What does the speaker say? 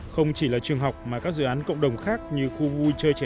không chỉ là trường học mà các dự án cộng đồng khác như khu vui chơi trẻ em